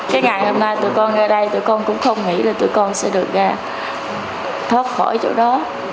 cái ngày hôm nay tụi con ở đây tụi con cũng không nghĩ là tụi con sẽ được thoát khỏi chỗ đó